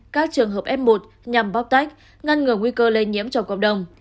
các trường hợp f một nhằm bóp tách ngăn ngừa nguy cơ lây nhiễm cho cộng đồng